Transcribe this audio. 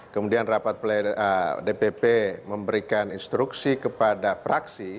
kemudian rapat dpp memberikan instruksi kepada praksi